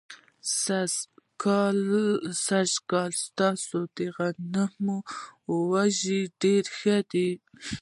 سږ کال ستاسو د غنمو وږي ډېر ښه دي.